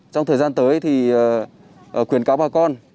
trong thời gian tới thì quyền cáo bà con